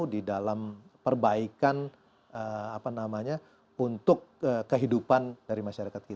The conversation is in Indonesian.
di dalam perbaikan untuk kehidupan dari masyarakat kita